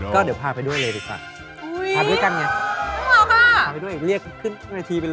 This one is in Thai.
ก็เดี๋ยวพาไปด้วยเลยเลยกัน